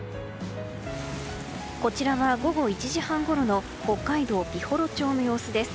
こちらは、午後１時半ごろの北海道美幌町の様子です。